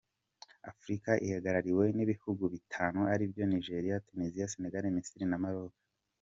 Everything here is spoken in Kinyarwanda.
Afurika ihagarariwe n’ibihugu bitanu ari byo Nigeria, Tunisia, Senegal, Misiri na Maroc.